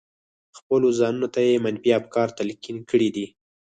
خپلو ځانونو ته يې منفي افکار تلقين کړي دي.